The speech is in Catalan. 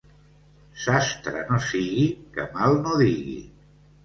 Sastre no sigui que mal no digui.